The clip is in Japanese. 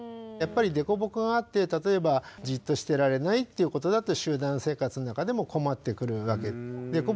やっぱり凸凹があって例えばじっとしてられないということだと集団生活の中でも困ってくるわけで。